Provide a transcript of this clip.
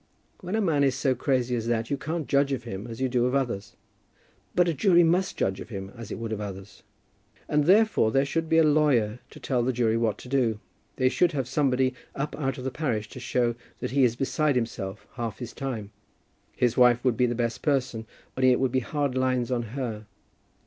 When a man is so crazy as that, you can't judge of him as you do of others." "But a jury must judge of him as it would of others." "And therefore there should be a lawyer to tell the jury what to do. They should have somebody up out of the parish to show that he is beside himself half his time. His wife would be the best person, only it would be hard lines on her."